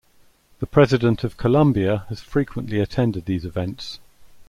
The President of Colombia has frequently attended these events.